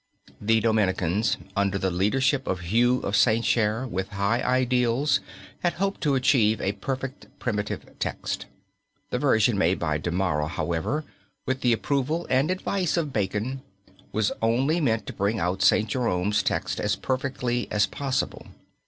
The Dominicans under the leadership of Hugh of St. Cher with high ideals had hoped to achieve a perfect primitive text. The version made by de Mara, however, with the approval and advice of Bacon, was only meant to bring out St. Jerome's text as perfectly as possible.